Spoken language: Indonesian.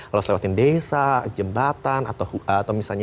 harus lewatin desa jembatan atau misalnya